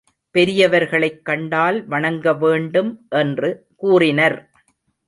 பெரியவர்களைக் கண்டால் வணங்க வேண்டும் என்று கூறினர்.